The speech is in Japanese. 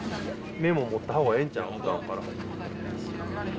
メモ持ったほうがええんちゃう。